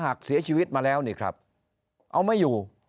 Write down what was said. นายกรัฐมนตรีพูดเรื่องการปราบเด็กแว่น